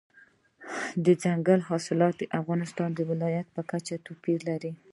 دځنګل حاصلات د افغانستان د ولایاتو په کچه توپیر لري.